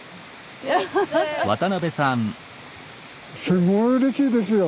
すごいうれしいですよ。